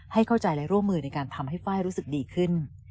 ให้เข้าใจและร่วมมือในการทำให้ไฟล์รู้สึกดีขึ้น